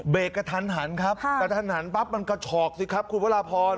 กระทันหันครับกระทันหันปั๊บมันกระฉอกสิครับคุณพระราพร